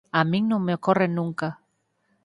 A min non me ocorre nunca.